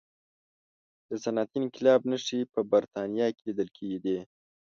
د صنعتي انقلاب نښې په برتانیا کې لیدل کېدې.